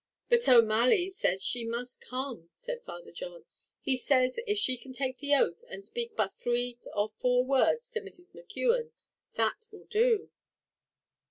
"But O'Malley says she must come," said Father John; "he says, if she can take the oath, and speak but three or four words to Mrs. McKeon, that will do."